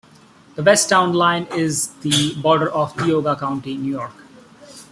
The west town line is the border of Tioga County, New York.